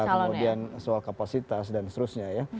kemudian soal kapasitas dan seterusnya ya